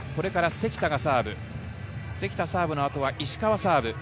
関田のサーブの後は石川サーブ。